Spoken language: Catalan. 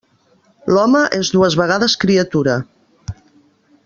L'home és dues vegades criatura.